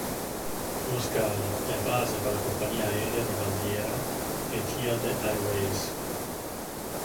Lo scalo è base per la compagnia aerea di bandiera Etihad Airways.